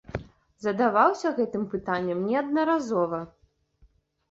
Задаваўся гэтым пытаннем неаднаразова.